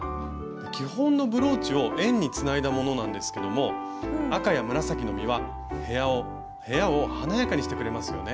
基本のブローチを円につないだものなんですけども赤や紫の実は部屋を華やかにしてくれますよね。